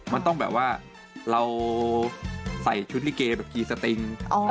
มันต้องแบบว่าเราใส่ชุดลิเกแบบกี่สติง